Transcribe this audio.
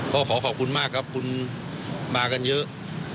ก็ขอขอบคุณมากครับคุณมากันเยอะ